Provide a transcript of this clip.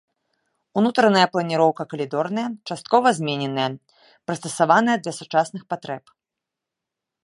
Унутраная планіроўка калідорная, часткова змененая, прыстасаваная для сучасных патрэб.